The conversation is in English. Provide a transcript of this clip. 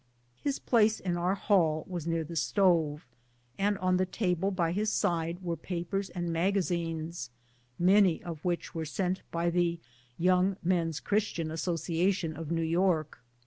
His place in our hall was'^ear the stove, and on the table by his side were papers and magazines, many of wliich were sent by the Young Men's Christian Association of New York.